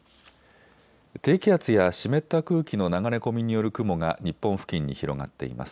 低気圧や湿った空気の流れ込みによる雲が日本付近に広がっています。